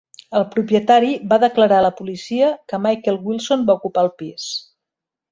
El propietari va declarar a la policia que Michael Wilson va ocupar el pis.